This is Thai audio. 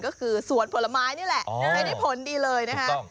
ก็คือสวนผลไม้นี่แหละไม่ได้ผลดีเลยนะคะ